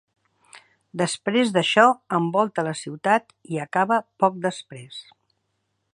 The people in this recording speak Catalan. Després d'això, envolta la ciutat i acaba poc després.